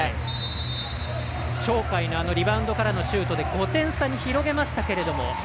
鳥海のリバウンドからのシュートで５点差に広げましたけれども。